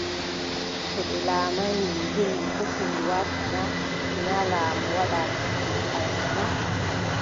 To ɓe laamaay Minjil mi fotti mi warta na ? Si naa laamu waɗa gite amin naa ?